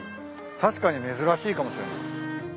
確かに珍しいかもしれない。